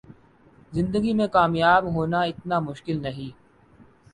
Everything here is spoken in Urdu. زندگی میں کامیاب ہونا اتنا مشکل نہیں